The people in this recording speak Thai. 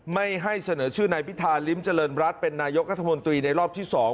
ไม่ให้เสนอชื่อนายพิธาริมเจริญรัฐเป็นนายกรัฐมนตรีในรอบที่๒